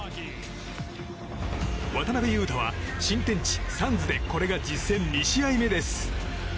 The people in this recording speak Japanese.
渡邊雄太は新天地サンズでこれが実戦２試合目です。